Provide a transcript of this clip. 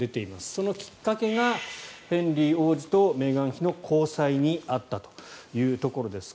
そのきっかけがヘンリー王子とメーガン妃の交際にあったというところです。